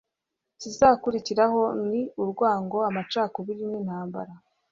Ikizakurikiraho ni urwango, amacakubiri n'intambara.